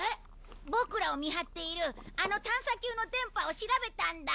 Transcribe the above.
ボクらを見張っているあの探査球の電波を調べたんだ。